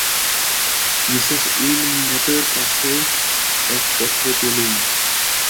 Mrs উইলমটের এক পত্র পেলুম।